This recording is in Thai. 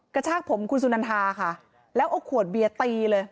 กระชากผมคุณสุนันทาค่ะแล้วเอาขวดเบียร์ตีเลย